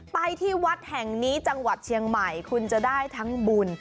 ไปที่วัดแห่งนี้จังหวัดเชียงใหม่คุณจะได้ทั้งบุญ